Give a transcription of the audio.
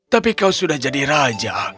tapi kau sudah jadi raja